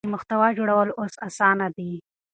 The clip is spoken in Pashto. د محتوا جوړول اوس اسانه دي.